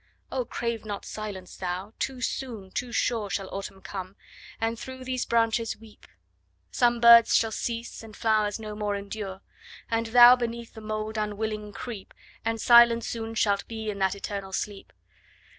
'O crave not silence thou! too soon, too sure, Shall Autumn come, and through these branches weep: Some birds shall cease, and flowers no more endure; And thou beneath the mould unwilling creep, And silent soon shalt be in that eternal sleep.